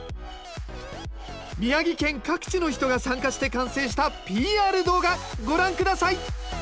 宮城県各地の人が参加して完成したＰＲ動画ご覧下さい！